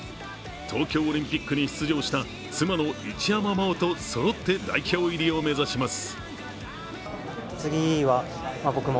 東京オリンピックに出場した妻の一山麻緒とそろって代表入りを目指します